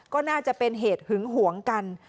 ก็น่าจะเป็นเหตุหึงหวงกัน